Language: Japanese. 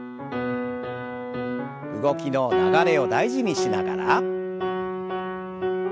動きの流れを大事にしながら。